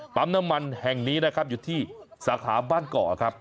น้ำมันแห่งนี้นะครับอยู่ที่สาขาบ้านเกาะครับ